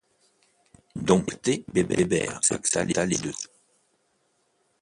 Dompté, Bébert accepta les deux sous.